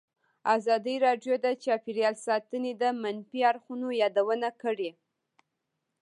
ازادي راډیو د چاپیریال ساتنه د منفي اړخونو یادونه کړې.